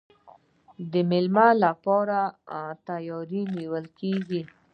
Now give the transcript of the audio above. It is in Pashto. د میلمه لپاره تیاری نیول کیږي.